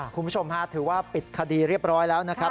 คุณผู้ชมฮะถือว่าปิดคดีเรียบร้อยแล้วนะครับ